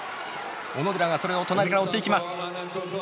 小野寺がそれを隣から追っていきます。